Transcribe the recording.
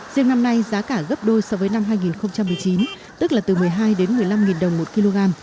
riêng năm nay giá cả gấp đôi so với năm hai nghìn một mươi chín tức là từ một mươi hai đến một mươi năm đồng một kg